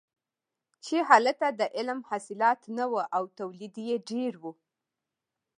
چې هلته د عم حاصلات نه وو او تولید یې ډېر و.